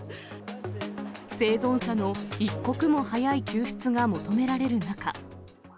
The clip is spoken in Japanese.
生存者の一刻も早い救出が求められる中。